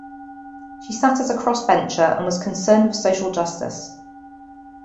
She sat as a cross-bencher, and was concerned with social justice.